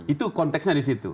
itu konteksnya di situ